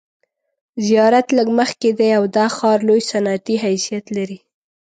زیارت لږ مخکې دی او دا ښار لوی صنعتي حیثیت لري.